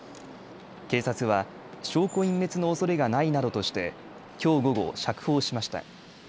警察は証拠隠滅のおそれがないなどとしてきょう午後、釈放しました。